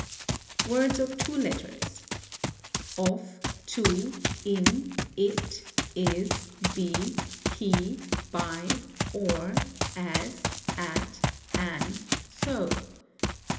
Words of two letters :—of, to, in, it, is, be, he, by, or, as, at, an, so.